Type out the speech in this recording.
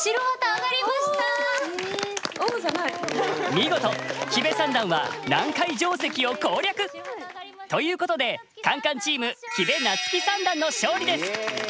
見事木部三段は難解定石を攻略。ということでカンカンチーム木部夏生三段の勝利です。